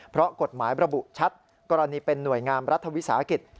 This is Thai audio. เพราะกฎหมายระบุชัดกรณีเป็นหน่วยงามรัฐวิสาหกิจ